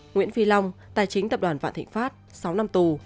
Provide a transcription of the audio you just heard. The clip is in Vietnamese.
nguyễn phi long tài chính tập đoàn vạn thịnh pháp sáu năm tù